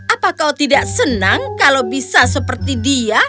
apa kau tidak senang kalau bisa seperti dia